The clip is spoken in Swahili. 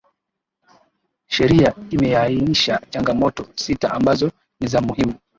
Sheria imeainisha changamoto sita ambazo ni za muhimu